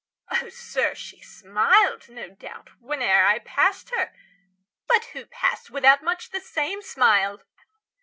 Oh, sir, she smiled, no doubt, Whene'er I passed her; but who passed without Much the same smile?